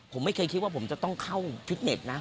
ผมไม่เคยคิดว่าผมจะต้องเข้าฟิตเน็ตนะ